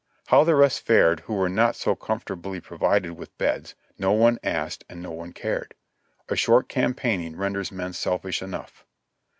How the rest fared who were not so comfortably provided with beds, no one asked and no one cared ; a short campaigning renders men selfish enough.